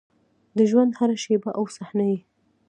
د ژونـد هـره شـيبه او صحـنه يـې